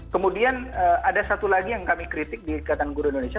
kemudian ada satu lagi yang kami kritik di ikatan guru indonesia